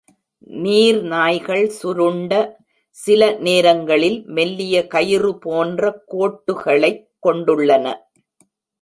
நீர் நாய்கள் சுருண்ட, சில நேரங்களில் மெல்லிய கயிறு போன்ற கோட்டுகளைக் கொண்டுள்ளன.